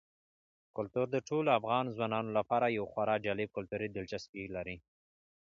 کلتور د ټولو افغان ځوانانو لپاره یوه خورا جالب کلتوري دلچسپي لري.